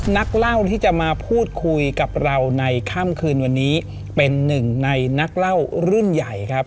นักเล่าที่จะมาพูดคุยกับเราในค่ำคืนวันนี้เป็นหนึ่งในนักเล่ารุ่นใหญ่ครับ